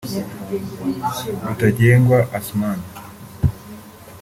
Rutagengwa Asman